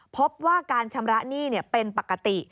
พบว่าการชำระหนี้เป็นปกติ